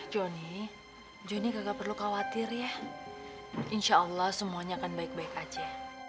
jonny jonny tidak perlu khawatir ya insya allah semuanya akan baik baik saja